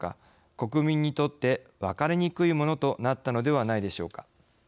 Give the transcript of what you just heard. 国民にとって分かりにくいものとなったのではないでしょうか。